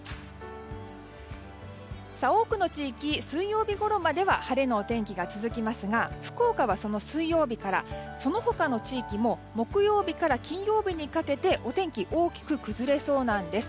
多くの地域、水曜日ごろまでは晴れのお天気が続きますが福岡は水曜日からその他の地域も木曜日から金曜日にかけてお天気大きく崩れそうなんです。